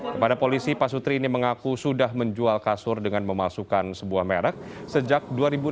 kepada polisi pak sutri ini mengaku sudah menjual kasur dengan memasukkan sebuah merek sejak dua ribu enam belas